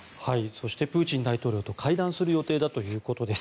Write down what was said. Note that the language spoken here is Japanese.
そしてプーチン大統領と会談する予定だということです。